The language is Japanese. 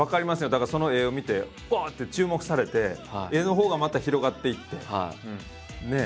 だからその絵を見てわって注目されて絵のほうがまた広がっていってねえ。